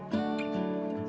tidak ada yang berhenti henti